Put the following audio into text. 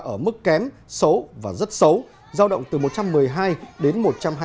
ở mức kém xấu và rất xấu giao động từ một trăm một mươi hai đến một trăm hai mươi